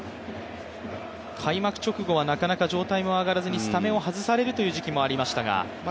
開幕直後はなかなか状態も上がらずにスタメンを外されるという時期もありましたが。